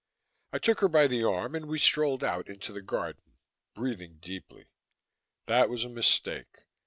I took her by the arm and we strolled out into the garden, breathing deeply. That was a mistake.